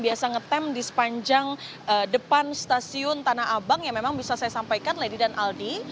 biasa ngetem di sepanjang depan stasiun tanah abang yang memang bisa saya sampaikan lady dan aldi